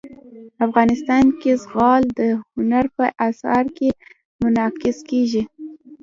افغانستان کې زغال د هنر په اثار کې منعکس کېږي.